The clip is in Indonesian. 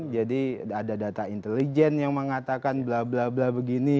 jadi ada data intelijen yang mengatakan bla bla bla begini